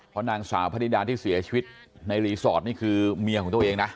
เพราะนางสาวพระนิดาที่เสียชีวิตในรีสอร์ทนี่คือเมียของตัวเองนะ